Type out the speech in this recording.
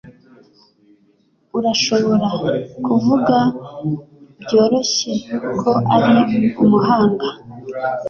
Urashobora kuvuga byoroshye ko ari umuhanga.